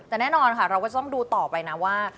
แต่แน่นอนค่ะเราก็ต้องดูต่อไปนะว่า